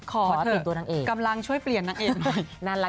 ขอเถอะกำลังช่วยเปลี่ยนนางเอกหน่อยขอเปลี่ยนตัวนางเอก